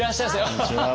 こんにちは。